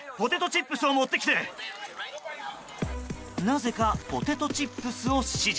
なぜかポテトチップスを指示。